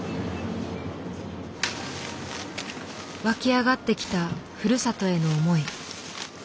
湧き上がってきたふるさとへの思い。